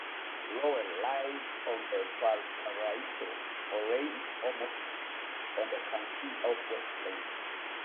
Lowell lies on the Valparaiso Moraine, almost on the Kankakee Outwash Plain.